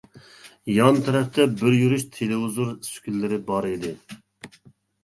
يان تەرەپتە بىر يۈرۈش تېلېۋىزور ئۈسكۈنىلىرى بار ئىدى.